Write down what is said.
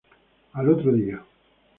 Al otro día.